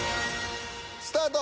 スタート。